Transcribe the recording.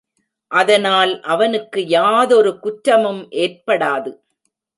அதனால் அவனுக்கு யாதொரு குற்றமும் ஏற்படாது.